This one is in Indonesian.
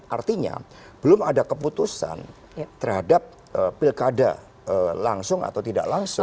artinya belum ada keputusan terhadap pilkada langsung atau tidak langsung